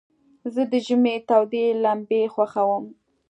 زه د ژمي تودي لمبي خوښوم.